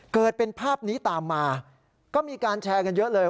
เกิดเป็นภาพนี้ตามมาก็มีการแชร์กันเยอะเลย